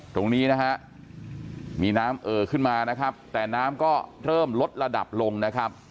ตรงนี้นะฮะมีน้ำเอ่อขึ้นมานะครับแต่น้ำก็เริ่มลดระดับลงนะครับ